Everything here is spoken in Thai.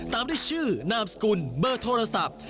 ตามด้วยชื่อนามสกุลเบอร์โทรศัพท์